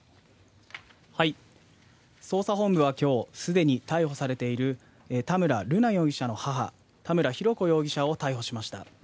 捜査本部はきょう、すでに逮捕されている田村瑠奈容疑者の母、田村浩子容疑者を逮捕しました。